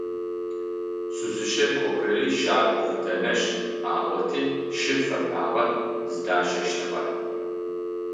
Шъузыщэ кӏохэри щагукъыдэнэш аӏоти шы фэпагъэ зыдащэщтыгъэ.